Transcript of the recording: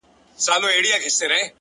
مثبت فکر د ذهن کړکۍ پاکوي,